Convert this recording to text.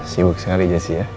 sibuk sekali jesse ya